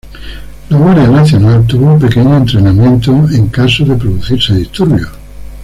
La guardia nacional tuvo un pequeño entrenamiento en caso de producirse disturbios.